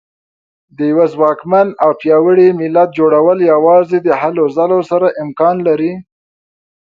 د یوه ځواکمن او پیاوړي ملت جوړول یوازې د هلو ځلو سره امکان لري.